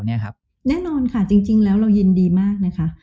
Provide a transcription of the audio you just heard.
แน่นอนค่ะจริงแล้วเรายินดีมากนะคะ